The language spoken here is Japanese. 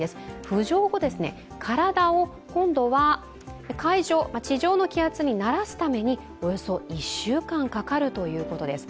浮上後、体を今度は地上の気圧に慣らすためにおよそ１週間かかるということです